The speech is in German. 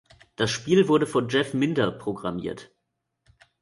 Das Spiel wurde von Jeff Minter programmiert.